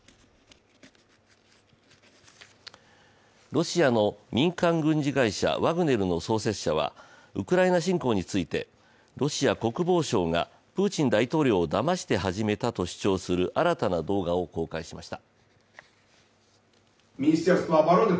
ロシアの民間軍事会社ワグネルの創設者はウクライナ侵攻についてロシア国防省が、プーチン大統領をだまして始めたと主張する新たな動画を公開しました。